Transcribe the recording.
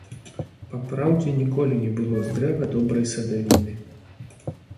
Папраўдзе ніколі не было з дрэва добрай садавіны.